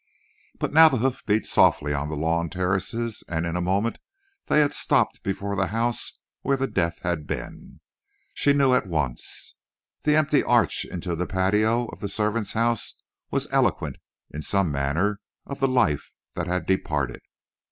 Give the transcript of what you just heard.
But now the hoofs beat softly on the lawn terraces, and in a moment they had stopped before the house where the death had been. She knew at once. The empty arch into the patio of the servants' house was eloquent, in some manner, of the life that had departed.